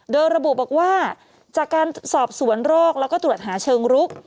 โดยระบุบอกว่าจากการสอบสวนโรคแล้วก็ตรวจหาเชิงรุก